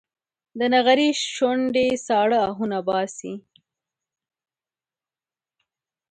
د نغري شوندې ساړه اهونه باسي